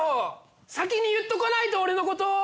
先に言っとかないと俺のこと。